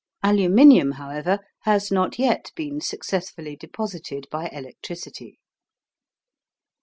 Aluminium, however, has not yet been successfully deposited by electricity.